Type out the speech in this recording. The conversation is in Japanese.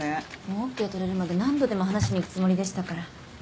取れるまで何度でも話しに行くつもりでしたから。